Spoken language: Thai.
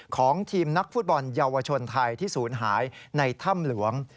ของทีมนักฟุตบอลเยาวชนไทยที่ศูนย์หายในถ้ำหลวง